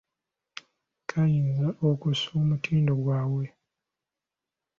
Kiyinza okussa omutindo gwabwe.